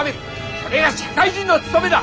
それが社会人の務めだ！